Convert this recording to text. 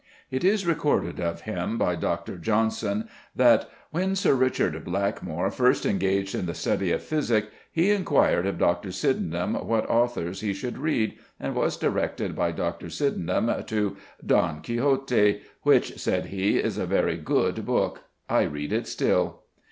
It is recorded of him by Dr. Johnson that, "when Sir Richard Blackmore first engaged in the study of physic, he inquired of Dr. Sydenham what authors he should read, and was directed by Dr. Sydenham to "Don Quixote," "which," said he, "is a very good book; I read it still."